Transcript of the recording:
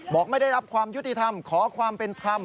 ไม่ได้รับความยุติธรรมขอความเป็นธรรม